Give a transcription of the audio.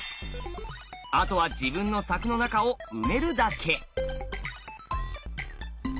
あとは自分の柵の中を埋めるだけ。